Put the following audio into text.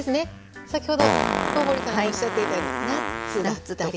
先ほど小堀さんがおっしゃっていたようにナッツだったり。